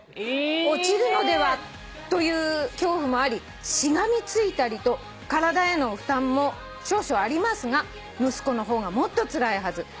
「落ちるのではという恐怖もありしがみついたりと体への負担も少々ありますが息子の方がもっとつらいはず」